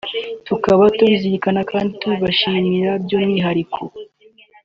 tukaba tubizirikana kandi tubibashimira by’umwihariko